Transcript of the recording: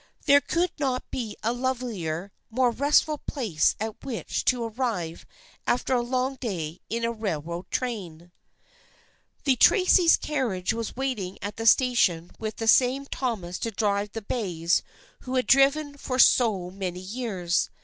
There could not be a lovelier, more restful place at which to arrive after a long day in a railroad train. The 322 THE FRIENDSHIP OF ANNE Tracys' carriage was waiting at the station with the same Thomas to drive the bays who had driven for so many years.